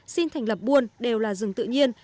xin thành lập buôn đều là rừng tự nhiên